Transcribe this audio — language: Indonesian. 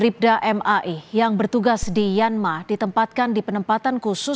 pertama di kompas petang